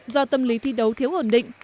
do tâm lý thi đấu thiếu ổn định